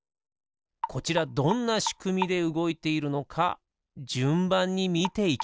こちらどんなしくみでうごいているのかじゅんばんにみていきましょう。